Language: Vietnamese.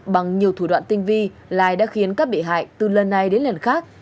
bằng nhiều thủ đoạn tinh vi lai đã khiến các bị hại từ lần này đến lần khác